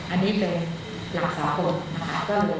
อันนี้เป็นหลักสาวคน